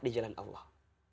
di jalan allah